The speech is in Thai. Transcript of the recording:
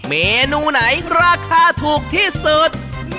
เมนูไหนราคาถูกที่สุด